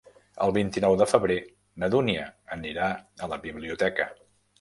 El vint-i-nou de febrer na Dúnia anirà a la biblioteca.